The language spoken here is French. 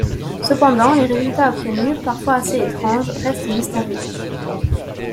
Cependant les résultats obtenus, parfois assez étranges, restent mystérieux.